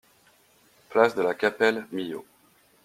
Place de la Capelle, Millau